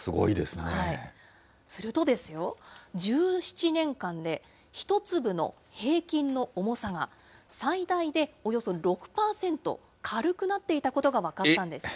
するとですよ、１７年間で１粒の平均の重さが、最大でおよそ６％軽くなっていたことが分かったんです。